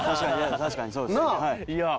確かにそうですね。なあ。